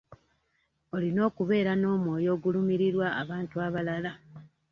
Olina okubeera n'omwoyo ogulumirirwa abantu abalala.